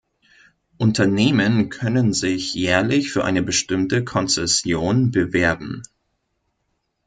Unternehmen können sich jährlich für eine bestimmte Konzession bewerben.